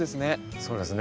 そうですね。